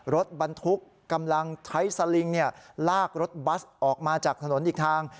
รถบรรทุกกำลังใช้สลิงลากรถบัสออกมาจากถนนอีกทาง